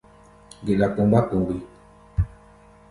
Geɗa kpomgbá kpomgbí.